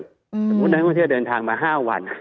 สมมุตินักท่องเที่ยวเดินทางมา๕วัน